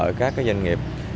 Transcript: đặc biệt là các doanh nghiệp